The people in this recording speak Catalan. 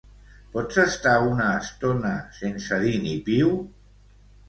Pots estar una estona sense dir ni piu?